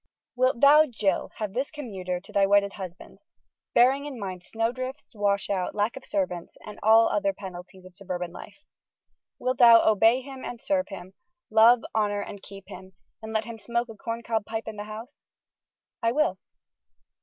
"Wilt thou, Jill, have this commuter to thy wedded husband, bearing in mind snowdrifts, washouts, lack of servants and all other penalties of suburban life? Wilt thou obey him and serve him, love, honor and keep him, and let him smoke a corncob pipe in the house?" "I will."